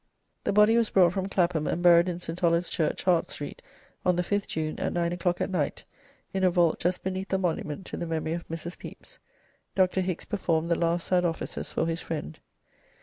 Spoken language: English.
The body was brought from Clapham and buried in St. Olave's Church, Hart Street, on the 5th June, at nine o'clock at night, in a vault just beneath the monument to the memory of Mrs. Pepys. Dr. Hickes performed the last sad offices for his friend.